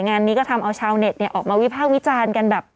งานนี้ก็ทำเอาชาวเน็ตออกมาวิภาควิจารณ์กันแบบ